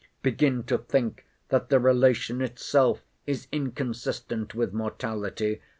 Begin to think that the relation itself is inconsistent with mortality.